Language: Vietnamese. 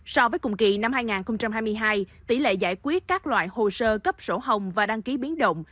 so với cùng kỳ năm hai nghìn hai mươi hai tỷ lệ giải quyết các loại hồ sơ cấp sổ hồng và đăng ký biến động